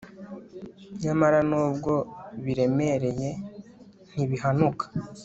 nyamara nubwo biremereye ntibihanuka